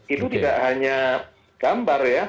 itu tidak hanya gambar ya